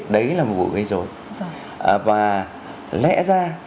đấy là một vụ gây dối và lẽ ra